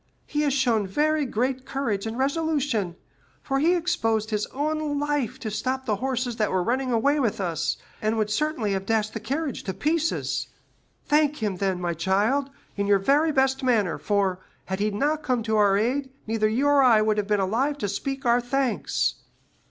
He has shown very great courage and resolution, for he exposed his own life to stop the horses that were running away with us, and would certainly have dashed the carriage to pieces. Thank him, then, my child, in your very best manner; for, had he not come to our aid, neither you nor I would have been alive to speak our thanks."